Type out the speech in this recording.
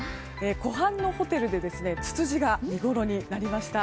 湖畔のホテルでツツジが見ごろになりました。